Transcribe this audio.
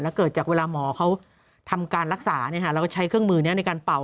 แล้วเกิดจากเวลาหมอเขาทำการรักษาเราก็ใช้เครื่องมือนี้ในการเป่า